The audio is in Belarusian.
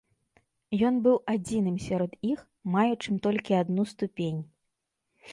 Ён быў адзіным сярод іх, маючым толькі адну ступень.